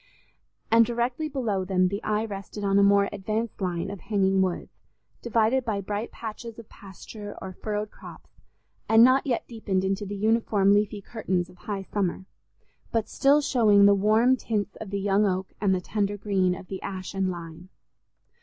And directly below them the eye rested on a more advanced line of hanging woods, divided by bright patches of pasture or furrowed crops, and not yet deepened into the uniform leafy curtains of high summer, but still showing the warm tints of the young oak and the tender green of the ash and lime.